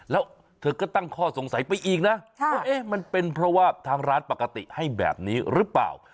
แล้วเธอก็ตั้งข้อสงสัยไปอีกนะว่ามันเป็นเพราะว่าทางร้านปกติให้แบบนี้หรือเปล่า